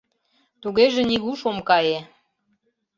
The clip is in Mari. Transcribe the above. — Тугеже нигуш ом кае...